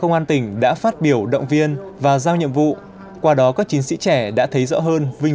công an tỉnh đã phát biểu động viên và giao nhiệm vụ qua đó các chiến sĩ trẻ đã thấy rõ hơn vinh